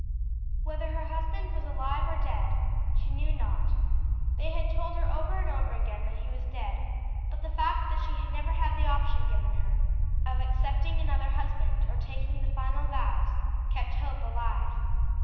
Whether her husband was alive or dead she knew not. They had told her over and over again that he was dead; but the fact that she had never had the option given her of accepting another husband or taking the final vows kept hope alive.